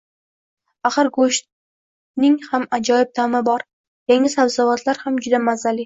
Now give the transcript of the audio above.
Axir, go‘shtning ham ajoyib ta’mi bor, yangi sabzavotlar ham juda mazali